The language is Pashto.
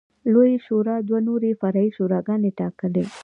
لویې شورا دوه نورې فرعي شوراګانې ټاکلې